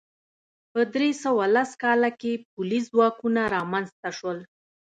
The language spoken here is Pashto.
په درې سوه لس کال کې پولیس ځواکونه رامنځته شول